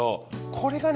これがね